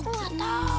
aku gak tau